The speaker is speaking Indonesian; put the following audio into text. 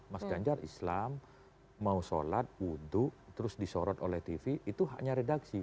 mas ganjar islam mau sholat wudhu terus disorot oleh tv itu haknya redaksi